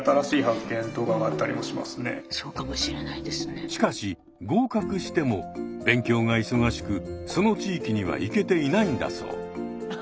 ほんとにしかし合格しても勉強が忙しくその地域には行けていないんだそう。